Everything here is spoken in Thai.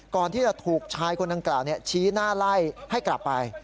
ก่อนที่จะถูกชายคนดังกล่าวชี้หน้าไล่ให้กลับไป